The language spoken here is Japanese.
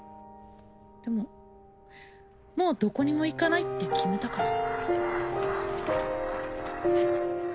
でももうどこにも行かないって決めたから